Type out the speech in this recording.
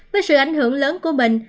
với sự ảnh hưởng lớn của mình